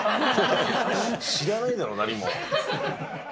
知らないだろ、何も。